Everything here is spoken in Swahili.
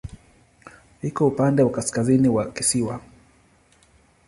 Iko upande wa kaskazini wa kisiwa.